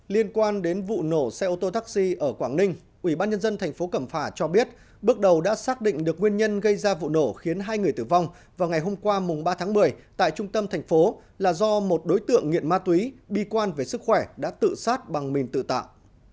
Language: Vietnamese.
liên quan đến vụ nổ xe ô tô taxi ở quảng ninh ubnd tp cẩm phả cho biết bước đầu đã xác định được nguyên nhân gây ra vụ nổ khiến hai người tử vong vào ngày hôm qua ba tháng một mươi tại trung tâm thành phố là do một đối tượng nghiện ma túy bi quan về sức khỏe đã tự sát bằng mình tự tạo